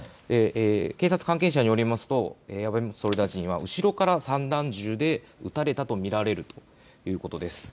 警察関係者によりますと安倍元総理大臣は後ろから散弾銃で撃たれたと見られるということです。